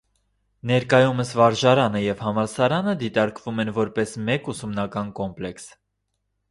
Ներկայումս վարժարանը և համալսարանը դիտարկվում են որպես մեկ ուսումնական կոմպլեքս։